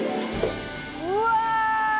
うわ！